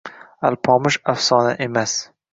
“Alpomish” afsona emasng